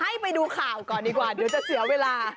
ให้ไปดูข่าวก่อนดีกว่าเดี๋ยวจะเสียเวลา